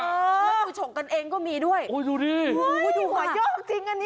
แล้วดูฉกกันเองก็มีด้วยโอ้ดูดิโอ้โหดูหอยเยอะจริงอันนี้